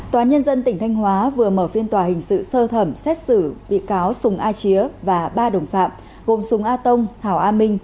tòa nhân dân tỉnh thanh hóa vừa mở phiên tòa hình sự sơ thẩm xét xử bị cáo súng a chía và ba đồng phạm gồm súng a tông thảo a minh